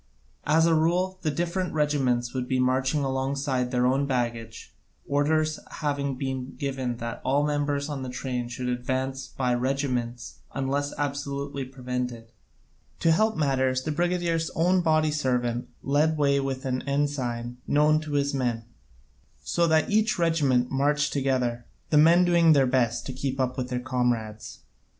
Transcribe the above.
As a rule, the different regiments would be marching alongside their own baggage, orders having been given that all members of the train should advance by regiments unless absolutely prevented. To help matters the brigadier's own body servant led the way with an ensign known to his men, so that each regiment marched together, the men doing their best to keep up with their comrades.